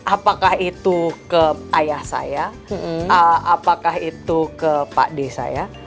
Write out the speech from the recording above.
apakah itu ke ayah saya apakah itu ke pak d saya